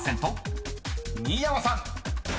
［新山さん］